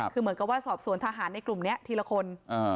คือเหมือนกับว่าสอบสวนทหารในกลุ่มนี้ทีละคน